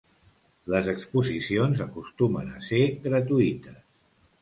Les exposicions acostumen a ser gratuïtes.